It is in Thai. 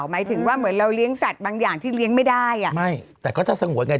หมายถึงว่าเหมือนเราเลี้ยงสัตว์บางอย่างที่เลี้ยงไม่ได้อ่ะไม่แต่ก็จะสงวนไง